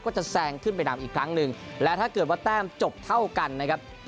จะแซงขึ้นไปนำอีกครั้งหนึ่งและถ้าเกิดว่าแต้มจบเท่ากันนะครับ